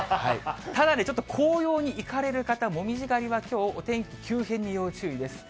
ただ、紅葉に行かれる方、モミジ狩りはきょう、お天気急変に要注意です。